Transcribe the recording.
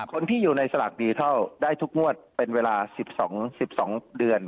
คนที่อยู่ในสลากดิทัลได้ทุกงวดเป็นเวลา๑๒๑๒เดือน